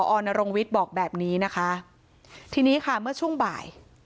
อนรงวิทย์บอกแบบนี้นะคะทีนี้ค่ะเมื่อช่วงบ่าย